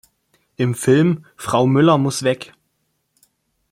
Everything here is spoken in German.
Im Film "Frau Müller muss weg!